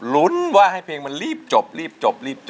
ลุ้นว่าให้เพลงมันรีบจบรีบจบรีบจบ